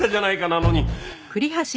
なのに。